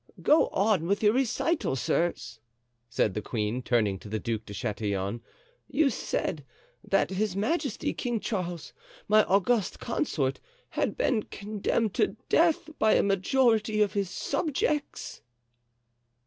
"Go on with your recital, sirs," said the queen, turning to the Duc de Chatillon. "You said that His Majesty, King Charles, my august consort, had been condemned to death by a majority of his subjects!"